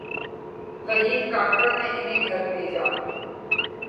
وحید کاکڑ نے انہیں گھر بھیجا۔